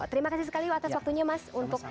terima kasih sekali atas waktunya mas untuk